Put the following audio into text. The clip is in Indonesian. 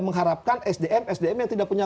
mengharapkan sdm sdm yang tidak punya